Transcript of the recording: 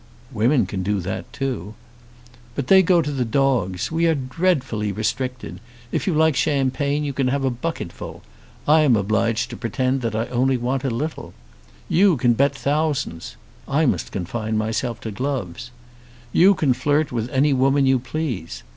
"Women can do that too." "But they go to the dogs. We are dreadfully restricted. If you like champagne you can have a bucketful. I am obliged to pretend that I only want a very little. You can bet thousands. I must confine myself to gloves. You can flirt with any woman you please.